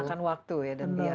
ya memakan waktu ya dan biaya